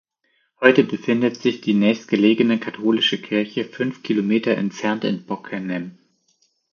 Heute befindet sich die nächstgelegene katholische Kirche fünf Kilometer entfernt in Bockenem.